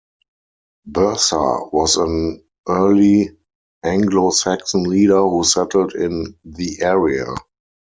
Bersa was an early Anglo-Saxon leader who settled in the area.